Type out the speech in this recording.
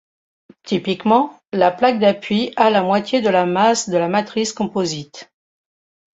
Typiquement, la plaque d'appui a la moitié de la masse de la matrice composite.